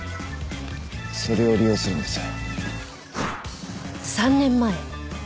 それを利用するんです。